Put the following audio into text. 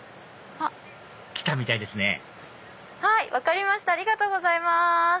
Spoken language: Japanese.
来たみたいですねはい分かりましたありがとうございます。